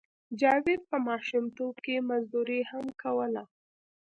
جاوید په ماشومتوب کې مزدوري هم کوله